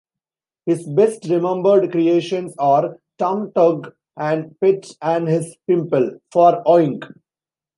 His best remembered creations are "Tom Thug" and "Pete and His Pimple" for "Oink!